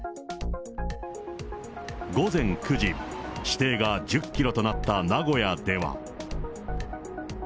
午前９時、視程が１０キロとなった名古屋では。